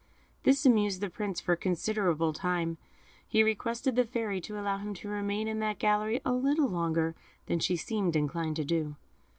This amused the Prince for a considerable time. He requested the Fairy to allow him to remain in that gallery a little longer than she seemed inclined to do.